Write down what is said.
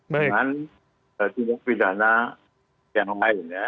dengan tindak pidana yang lain ya